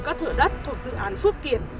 các thửa đất thuộc dự án phước kiện